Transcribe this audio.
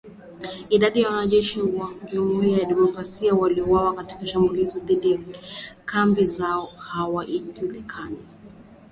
Idadi ya wanajeshi wa Jamhuri ya Kidemokrasia waliouawa katika shambulizi dhidi ya kambi zao haijajulikana